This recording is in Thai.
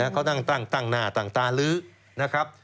เขาตั้งหน้าตั้งตาลื้อนะครับ